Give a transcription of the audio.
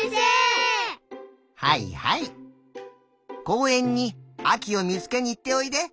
こうえんにあきをみつけにいっておいで。